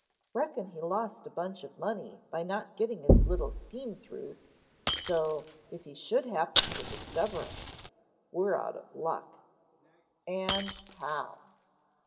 "Reckon he lost a bunch of money by not getting his little scheme through, so, if he should happen to discover us we're out of luck." "And how!"